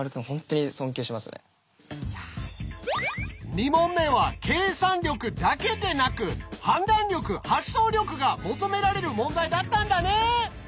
２問目は計算力だけでなく判断力発想力が求められる問題だったんだね。